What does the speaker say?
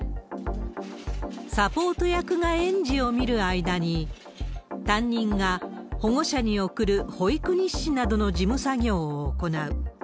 サポート役が園児を見る間に、担任が保護者に送る保育日誌などの事務作業を行う。